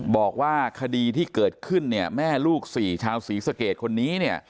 บอกว่าคดีที่เกิดขึ้นแม่ลูกชาวศรีสเกตคนนี้